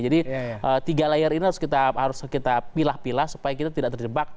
jadi tiga layer ini harus kita pilah pilah supaya kita tidak terjebak